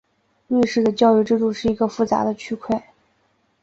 瑞士的教育制度是一个复杂的区块。